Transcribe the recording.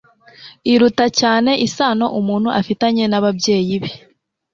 iruta cyane isano umuntu afitanye n'ababyeyi be